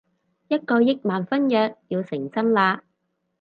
一個億萬婚約要成真喇